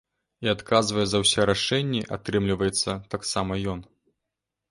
І адказвае за ўсе рашэнні, атрымліваецца, таксама ён.